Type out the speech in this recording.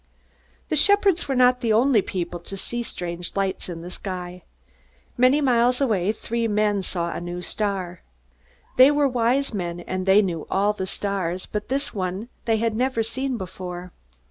The shepherds were not the only people to see strange lights in the sky. Many miles away, three men saw a new star. They were Wise Men, and they knew all the stars, but this one they had never seen before.